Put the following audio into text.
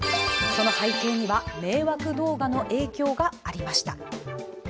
その背景には迷惑動画の影響がありました。